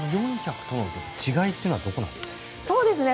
４００との違いはどこなんですか？